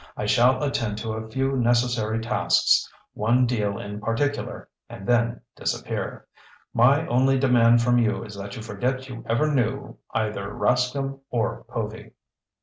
I shall attend to a few necessary tasks, one deal in particular, and then disappear. My only demand from you is that you forget you ever knew either Rascomb or Povy."